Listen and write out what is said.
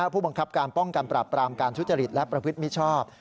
ผู้บังคับการป้องกันปราบปรามการทุจริตและประพฤติมิชชอบ